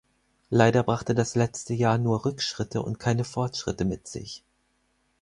Leider brachte das letzte Jahr nur Rückschritte und keine Fortschritte mit sich.